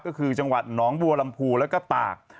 ก็คือจังหวัดหนองบัวลำพูแล้วก็ตาก